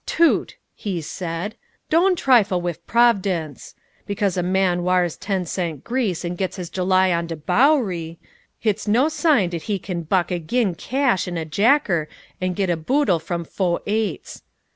"Toot," he said, "doan trifle wif Prov'dence. Because a man wars ten cent grease 'n' gits his july on de Bowery, hit's no sign dat he kin buck agin cash in a jacker 'n' git a boodle from fo' eights.